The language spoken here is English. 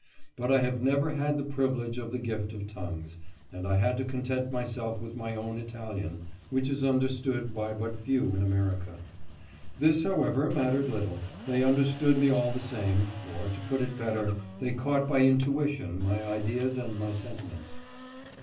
But I have never had the privilege of the gift of tongues, and I had to content myself with my own Italian, which is understood by but few in America. This, however, mattered little; they understood me all the same, or, to put it better, they caught by intuition my ideas and my sentiments.